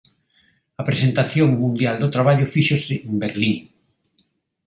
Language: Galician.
A presentación mundial do traballo fíxose en Berlín.